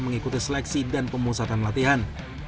mengikuti seleksi dan pemusatan latihan